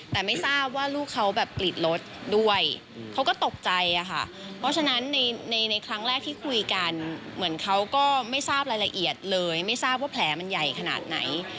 แต่ไม่ทราบว่าลูกเขาแบบกรีดรถด้วยเขาก็ตกใจอะค่ะเพราะฉะนั้นในในครั้งแรกที่คุยกันเหมือนเขาก็ไม่ทราบรายละเอียดเลยไม่ทราบว่าแผลมันใหญ่ขนาดไหน